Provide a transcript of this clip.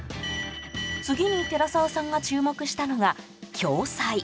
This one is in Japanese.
次に寺澤さんが注目したのが共済。